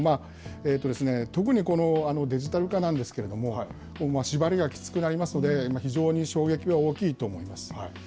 特にこのデジタル化なんですけれども、縛りがきつくなりますので、非常に衝撃は大きいと思います。